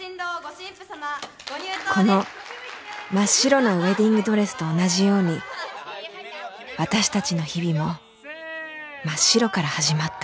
この真っ白なウェディングドレスと同じように私たちの日々も真っ白から始まった